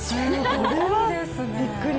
それはびっくり。